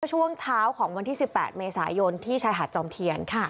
ช่วงเช้าของวันที่๑๘เมษายนที่ชายหาดจอมเทียน